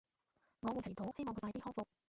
我會祈禱希望佢快啲康復